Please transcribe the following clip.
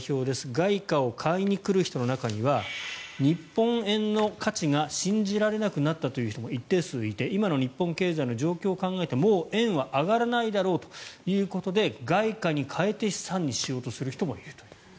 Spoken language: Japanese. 外貨を買いに来る人の中には日本円の価値が信じられなくなったという人も一定数いて今の日本経済の状況を考えてもう円は上がらないだろうということで外貨に替えて資産にしようとする人もいるという。